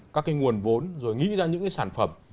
các cái nguồn vốn rồi nghĩ ra những cái sản phẩm